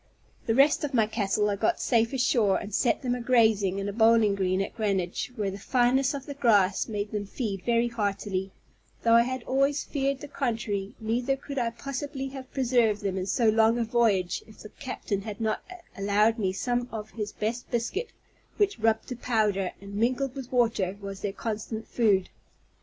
The rest of my cattle I got safe ashore, and set them a grazing in a bowling green at Greenwich, where the fineness of the grass made them feed very heartily, though I had always feared the contrary: neither could I possibly have preserved them in so long a voyage if the captain had not allowed me some of his best biscuit, which rubbed to powder, and mingled with water, was their constant food.